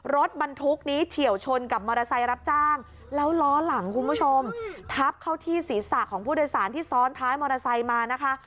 รถบรรทุกนี้เฉียวชนกับมอเตอร์ไซค์รับจ้างแล้วล้อหลังคุณผู้ชมทับเข้าที่ศีรษะของผู้โดยสารที่ซ้อนท้ายมอเตอร์ไซค์มานะคะ